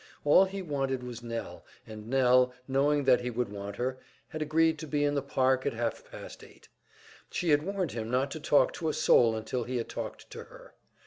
All he wanted was Nell; and Nell, knowing that he would want her, had agreed to be in the park at half past eight. She had warned him not to talk to a soul until he had talked to her.